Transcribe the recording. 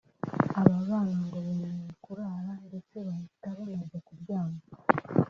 aba bana ngo bemeye kurara ndetse bahita banajya kuryama